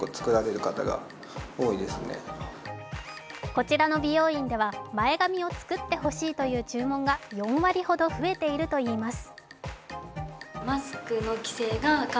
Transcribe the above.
こちらの美容院では前髪を作ってほしいという注文が４割ほど増えているといいます。